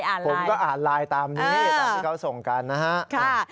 ผมก็อ่านไลน์ตามนี้ตามที่เขาส่งกันนะฮะ